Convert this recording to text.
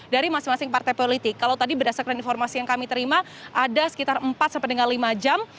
jadi masing masing partai politik kalau tadi berdasarkan informasi yang kami terima ada sekitar empat sampai dengan lima jam